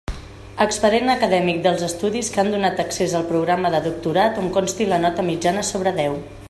Expedient acadèmic dels estudis que han donat accés al programa de doctorat on consti la nota mitjana sobre deu.